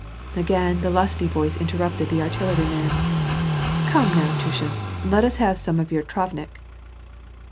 Again, the lusty voice inteiTupted the artilleryman, —" Come, now, Tushin, let us have some of your travnik."